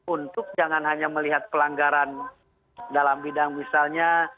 untuk jangan hanya melihat pelanggaran dalam bidang misalnya